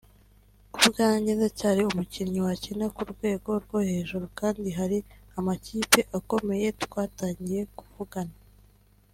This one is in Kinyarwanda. Ku bwanjye ndacyari umukinnyi wakina ku rwego rwo hejuru kandi hari amakipe akomeye twatangiye kuvugana